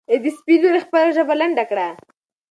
ای د سپي لورې خپله ژبه لنډه کړه.